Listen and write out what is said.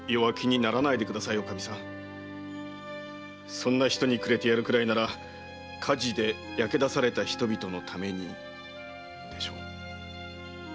そんな人にくれてやるくらいなら火事で焼け出された人々のためにでしょ？